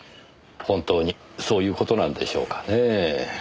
本当にそういう事なんでしょうかねぇ。